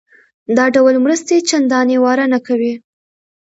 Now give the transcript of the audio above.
دا ډول مرستې چندانې واره نه کوي.